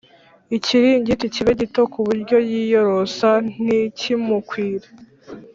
ikiringiti kibe gito, ku buryo yiyorosa ntikimukwire.